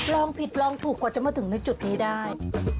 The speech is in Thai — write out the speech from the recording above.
ลองผิดลองถูกกว่าจะมาถึงในจุดนี้ได้